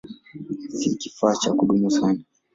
Si kifaa cha kudumu sana.